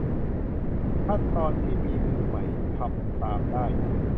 ขั้นตอนที่มือใหม่ทำตามได้